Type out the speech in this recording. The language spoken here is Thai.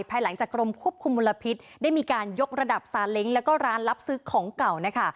ภายหลังจากกรมควบคุมมลพิษได้มีการยกระดับซาเล้งแล้วก็ร้านรับซื้อของเก่านะคะ